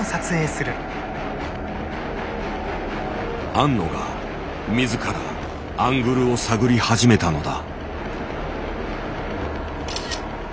庵野が自らアングルを探り始めたのだ。